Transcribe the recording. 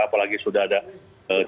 apalagi sudah dikonsumsi